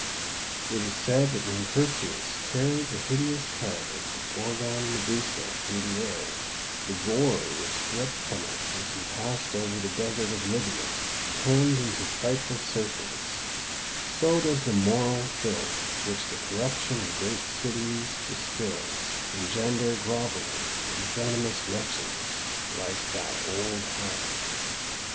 It is said that when Perseus carried the hideous head of the Gorgon Medusa through the air, the gore which dripped from it as he passed over the desert of Libya turned into frightful serpents: so does the moral filth which the corruption of great cities distils, engender grovelling and venomous wretches like that old hag.